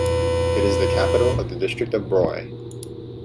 It is the capital of the district of Broye.